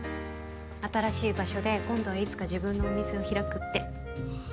新しい場所で今度はいつか自分のお店を開くって。